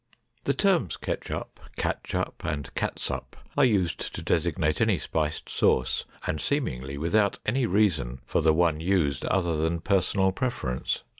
The terms ketchup, catchup, and catsup are used to designate any spiced sauce and seemingly without any reason for the one used other than personal preference.